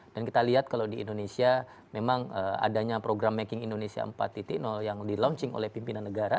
dan kita lihat kalau di indonesia memang adanya program making indonesia empat yang di launching oleh pimpinan negara